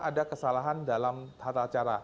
ada kesalahan dalam tata cara